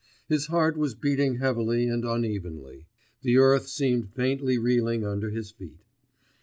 His heart was beating heavily and unevenly; the earth seemed faintly reeling under his feet.